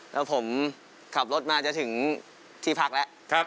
แล้วผมขับรถมาจะถึงที่พักแล้ว